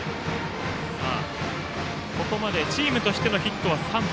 ここまでチームとしてのヒットは３本。